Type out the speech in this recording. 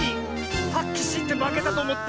はっきしいってまけたとおもった。